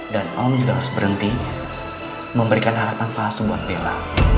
dan om juga harus berhenti memberikan harapan kelas buat bella